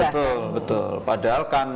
betul betul padahal kan